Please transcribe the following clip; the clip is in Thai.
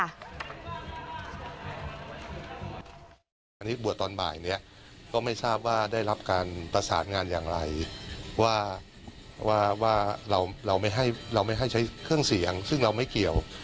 อันนี้บวชตอนบ่ายนี้ก็ไม่ทราบว่าได้รับการประสานงานอย่างไรว่าเราไม่ให้ใช้เครื่องเสียงซึ่งเราไม่เกี่ยว